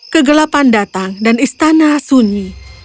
kegelapan datang dan istana sunyi